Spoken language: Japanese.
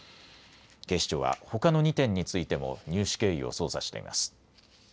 警視庁は、ほかの２点についても入手経緯を捜査しています。